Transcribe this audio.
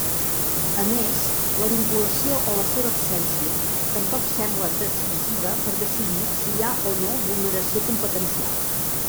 A més, la vinculació o la seva absència tampoc sembla decisiva per decidir si hi ha o no vulneració competencial.